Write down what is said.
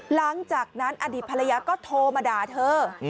หลังจากนั้นอดีตภรรยาก็โทรมาด่าเธอ